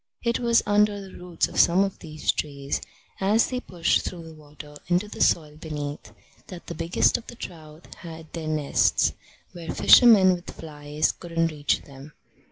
It was under the roots of some of these trees, as they pushed through the water into the soil beneath, that the biggest of the trout had their nests, where fishermen with flies couldn't reach them.